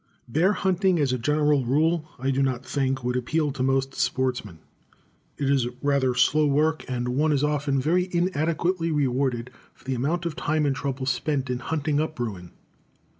Bear hunting, as a general rule, I do not think would appeal to most sportsmen. It is rather slow work, and one is often very inadequately rewarded for the amount of time and trouble spent in hunting up Bruin.